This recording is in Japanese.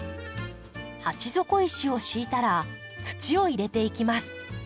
鉢底石を敷いたら土を入れていきます。